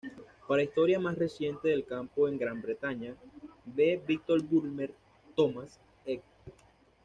Para historia más reciente del campo en Gran Bretaña, ve Victor Bulmer-Thomas, ed.